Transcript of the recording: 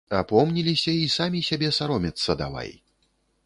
Апомніліся й самі сябе саромецца давай.